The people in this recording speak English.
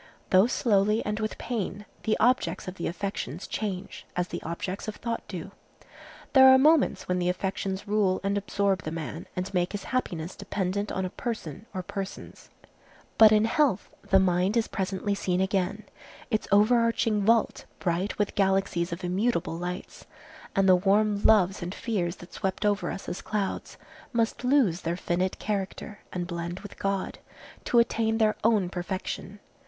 Though slowly and with pain, the objects of the affections change, as the objects of thought do. There are moments when the affections rule and absorb the man and make his happiness dependent on a person or persons. But in health the mind is presently seen again,—its overarching vault, bright with galaxies of immutable lights, and the warm loves and fears that swept over us as clouds must lose their finite character and blend with God, to attain their own perfection.